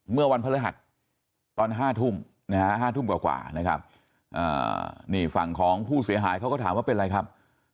เมื่อวันพระฤหัสตอน๕ทุ่มนะฮะ๕ทุ่มกว่านะครับนี่ฝั่งของผู้เสียหายเขาก็ถามว่าเป็นอะไรครับ